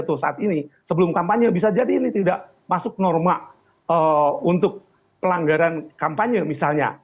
sebelum kampanye bisa jadi ini tidak masuk norma untuk pelanggaran kampanye misalnya